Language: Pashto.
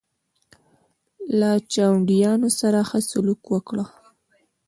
له چاونډیانو سره ښه سلوک وکړه.